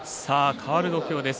かわる土俵です。